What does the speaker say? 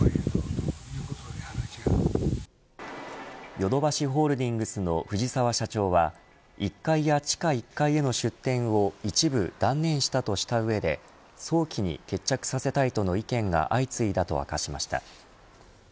ヨドバシホールディングスの藤沢社長は１階や地下１階への出店を一部断念したとした上で早期に決着させたいとの意見が相次いだと明かしました。